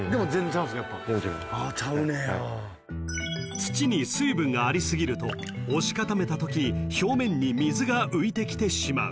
［土に水分があり過ぎると押し固めたとき表面に水が浮いてきてしまう］